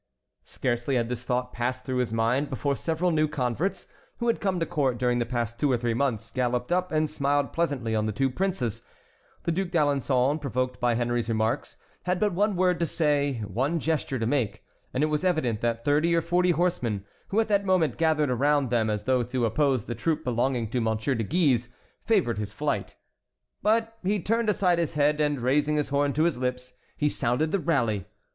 Scarcely had this thought passed through his mind before several new converts, who had come to court during the past two or three months, galloped up and smiled pleasantly on the two princes. The Duc d'Alençon, provoked by Henry's remarks, had but one word to say, one gesture to make, and it was evident that thirty or forty horsemen, who at that moment gathered around them as though to oppose the troop belonging to Monsieur de Guise, favored his flight; but he turned aside his head, and, raising his horn to his lips, he sounded the rally.